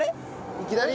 いきなり？